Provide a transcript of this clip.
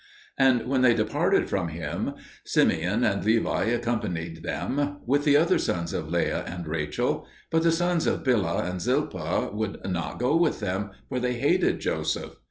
And when they departed from him, Simeon and Levi accompanied them with the other sons of Leah and Rachel; but the sons of Bilhah and Zilpah would not go with them, for they hated Joseph.